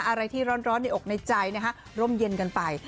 อะไรที่ร้อนในอกในใจนะคะร่มเย็นกันไป